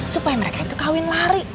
supaya mereka itu kawin lari